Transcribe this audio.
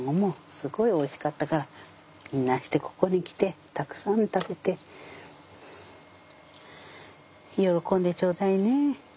すごいおいしかったからみんなしてここに来てたくさん食べて喜んでちょうだいね。